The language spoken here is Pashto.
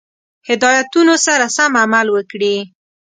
هدایتونو سره سم عمل وکړي.